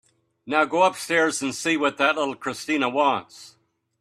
Now go upstairs and see what little Christina wants.